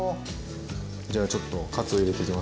じゃあちょっとカツを入れていきます。